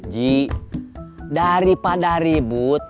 ji daripada ribut